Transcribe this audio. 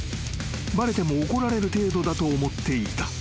［バレても怒られる程度だと思っていた］